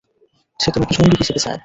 সে তোমাকে সঙ্গী হিসেবে চায়।